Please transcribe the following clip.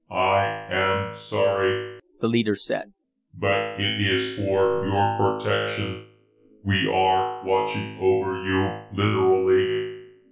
"I am sorry," the leader said, "but it is for your protection. We are watching over you, literally.